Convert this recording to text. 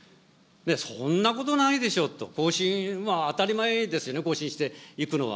そんなことないでしょと、更新は当たり前ですよね、更新していくのは。